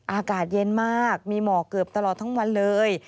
อากาศเย็นมากมีหมอกเกือบตลอดทั้งวันเลย